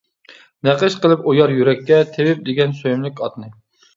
نەقىش قىلىپ ئويار يۈرەككە، تېۋىپ دېگەن سۆيۈملۈك ئاتنى.